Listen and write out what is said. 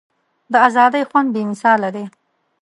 د ازادۍ خوند بې مثاله دی.